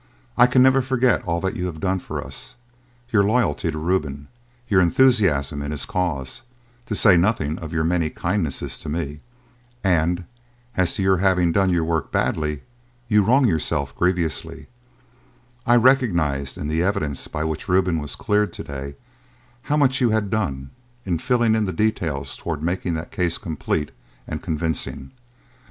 I can never forget all that you have done for us, your loyalty to Reuben, your enthusiasm in his cause, to say nothing of your many kindnesses to me. And, as to your having done your work badly, you wrong yourself grievously. I recognised in the evidence by which Reuben was cleared to day how much you had done, in filling in the details, towards making the case complete and convincing.